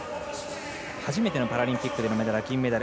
初めてのパラリンピックのメダル銀メダル。